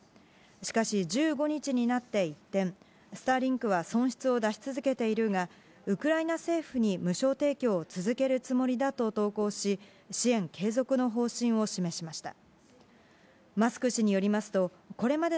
しかし、１５日になって一転、スターリンクは損失を出し続けているが、ウクライナ政府に無償提供を続けるつもりだと投稿し、支援継続の方針を示しました。